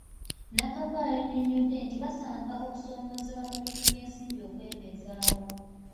Nakaggwa yannyonnyodde nti basanga okusoomoozebwa mu bintu by'ensimbi okwebeezaawo.